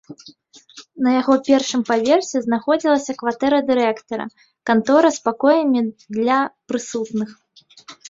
На яго першым паверсе знаходзілася кватэра дырэктара, кантора з пакоямі для прысутных.